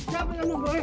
siapa yang nunggu